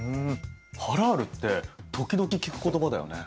「ハラール」って時々聞く言葉だよね。